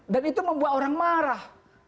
dan itu membuat orang marah